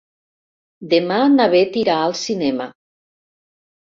Demà na Bet irà al cinema.